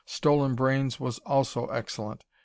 "Stolen Brains" was also excellent.